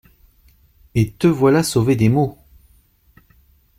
Et te voilà sauvé des maux!